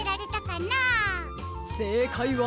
せいかいは。